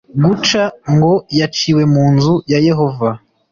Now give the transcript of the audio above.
guca ngo yaciwe mu nzu ya yehova